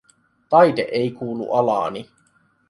Taide ei kuulu alaani.